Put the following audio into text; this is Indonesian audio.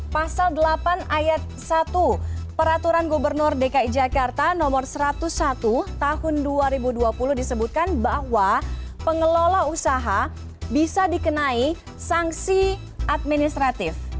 pasal delapan ayat satu peraturan gubernur dki jakarta nomor satu ratus satu tahun dua ribu dua puluh disebutkan bahwa pengelola usaha bisa dikenai sanksi administratif